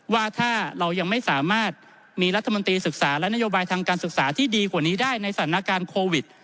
ว่าถ้าเรายังไม่สามารถมีรัฐมนตรีศึกษาและนโยบายทางการศึกษาที่ดีกว่านี้ได้ในสถานการณ์โควิด